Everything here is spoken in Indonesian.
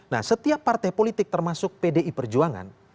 nah setiap partai politik termasuk pdi perjuangan